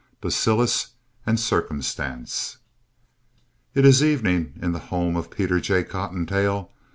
Bacillus and Circumstance IT is evening in the home of Peter J. Cottontail.